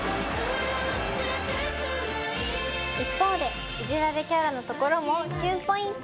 「一方でいじられキャラなところもキュンポイント。